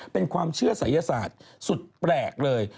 เป็นความเชื่อศัยศาสตร์สุดแปลกเลย